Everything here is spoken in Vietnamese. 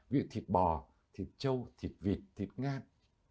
ví dụ thịt bò thịt trâu thịt vịt thịt ngan